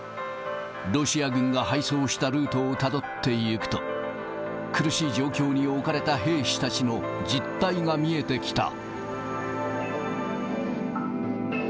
ロシア軍が敗走したルートをたどっていくと、苦しい状況に置かれた兵士たちの実態が見えてきた。